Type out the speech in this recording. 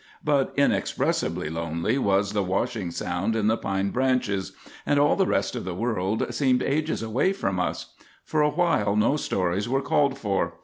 But inexpressibly lonely was the washing sound in the pine branches; and all the rest of the world seemed ages away from us. For a while no stories were called for.